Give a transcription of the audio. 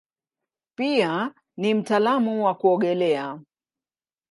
Pia ni mtaalamu wa kuogelea.